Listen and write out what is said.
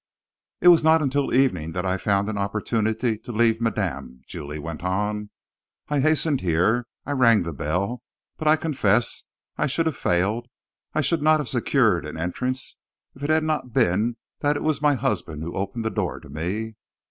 "It was not until evening that I found an opportunity to leave madame," Julie went on. "I hastened here; I rang the bell; but I confess I should have failed, I should not have secured an entrance, if it had not been that it was my husband who opened the door to me.